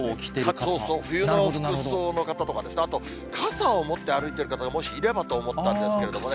そうそう、冬の服装の方とかですね、あと傘を持って歩いてる方がもしいればと思ったんですけどね。